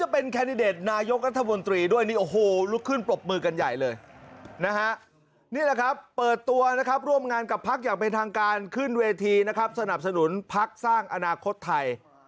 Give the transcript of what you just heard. เปิดตัวร่วมงานกับพักอย่างเป็นทางการขึ้นเวทีสนับสนุนพักสร้างอนาคตไทย